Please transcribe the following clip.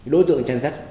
đối tượng trang sát